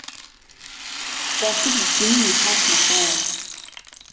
کافر جمين هاتنه خوار